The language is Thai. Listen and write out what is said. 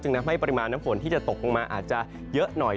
ทำให้ปริมาณน้ำฝนที่จะตกลงมาอาจจะเยอะหน่อย